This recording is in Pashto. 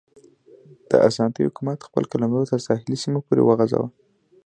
د اسانتي حکومت خپل قلمرو تر ساحلي سیمو پورې وغځاوه.